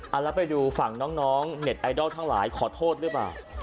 เอาแล้วไปดูฝั่งน้องเน็ตไอดอลทั้งหลายขอโทษหรือเปล่า